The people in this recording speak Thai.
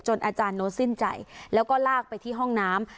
อาจารย์โน้ตสิ้นใจแล้วก็ลากไปที่ห้องน้ำ